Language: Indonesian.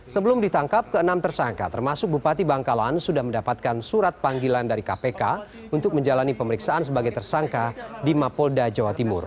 sebelum ditangkap ke enam tersangka termasuk bupati bangkalan sudah mendapatkan surat panggilan dari kpk untuk menjalani pemeriksaan sebagai tersangka di mapolda jawa timur